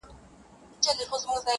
د تورو زلفو په هر تار راته خبري کوه؛